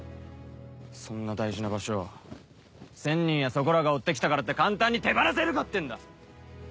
そんな大事な場所を１０００人やそこらが追ってきたからって簡単に手放せるかってんだ！